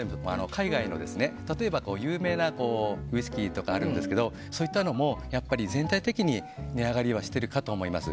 海外の例えば有名なウイスキーとかあるんですけどそういったものも全体的に値上がりしているかと思います。